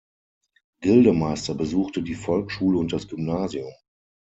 Gildemeister besuchte die Volksschule und das Gymnasium.